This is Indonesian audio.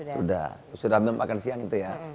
sudah sudah memakan siang itu ya